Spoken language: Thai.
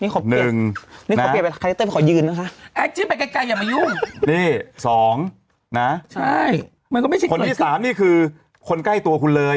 คนที่สองนี่คือคนใกล้ตัวคุณเลย